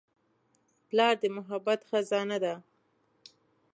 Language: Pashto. پلار د محبت خزانه ده.